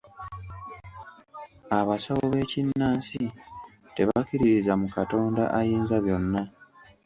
Abasawo b'ekinnansi tebakkiririza mu Katonda Ayinza byonna.